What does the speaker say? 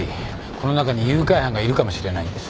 この中に誘拐犯がいるかもしれないんです。